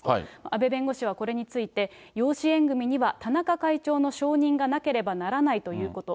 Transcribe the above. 阿部弁護士はこれについて、養子縁組には田中会長の承認がなければならないということ。